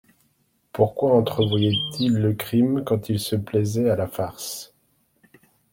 Pourquoi entrevoyait-il le crime, quand ils se plaisaient à la farce?